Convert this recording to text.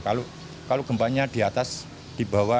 kalau gempanya di atas di bawah